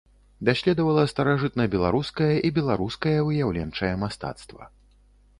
Даследавала старажытнабеларускае і беларускае выяўленчае мастацтва.